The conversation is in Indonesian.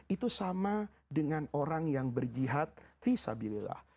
itu sama dengan orang yang berjihad fi sablillah